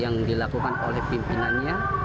yang dilakukan oleh pimpinannya